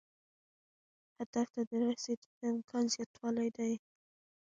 هدف ته د رسیدو د امکان زیاتوالی دی.